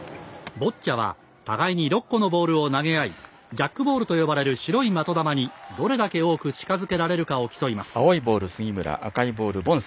ボッチャは互いに６個のボールを投げ合いジャックボールと呼ばれる白い的球にどれだけ多く近づけられるかを競います。